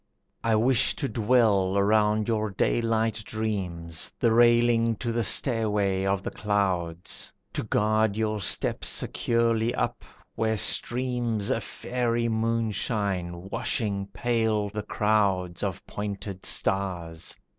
I wish to dwell around your daylight dreams, The railing to the stairway of the clouds, To guard your steps securely up, where streams A faery moonshine washing pale the crowds Of pointed stars.